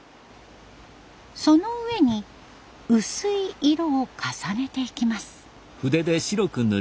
その上に薄い色を重ねていきます。